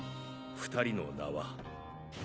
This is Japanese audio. ２人の名は。